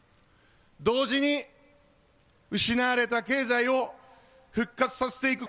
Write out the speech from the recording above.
同時に、失われた経済を復活させていく。